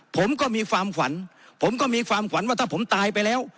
ผมก็มีความขวัญผมก็มีความขวัญว่าถ้าผมตายไปแล้ว